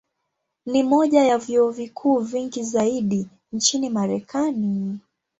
Ni moja ya vyuo vikuu vingi zaidi nchini Marekani.